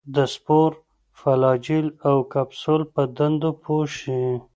د سپور، فلاجیل او کپسول په دندو پوه شي.